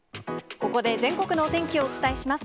ここで、全国のお天気をお伝えします。